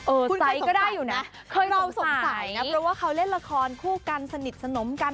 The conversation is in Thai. คุณไปก็ได้อยู่นะเราสงสัยนะเพราะว่าเขาเล่นละครคู่กันสนิทสนมกัน